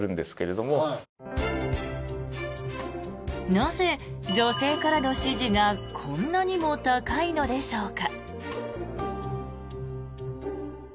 なぜ女性からの支持がこんなにも高いのでしょうか。